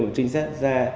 một trinh sát ra